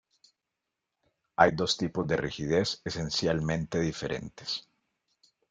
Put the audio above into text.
Hay dos tipos de rigidez esencialmente diferentes.